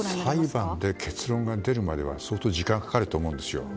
裁判で結論が出るまでは相当時間がかかると思います。